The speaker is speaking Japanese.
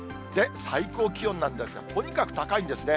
最高気温なんですが、とにかく高いんですね。